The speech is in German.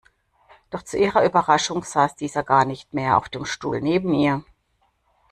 Doch zu ihrer Überraschung saß dieser gar nicht mehr auf dem Stuhl neben ihr.